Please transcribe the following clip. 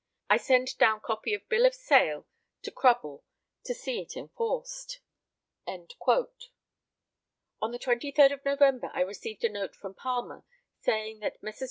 I send down copy of bill of sale to Crubble, to see it enforced." On the 23rd of November I received a note from Palmer, saying that Messrs.